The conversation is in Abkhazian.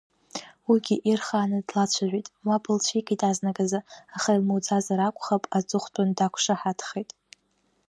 Уигьы ирхааны длацәажәеит, мап лцәикит азныказы, аха илмуӡазар акәхап, аҵыхәтәан дақәшаҳаҭхеит.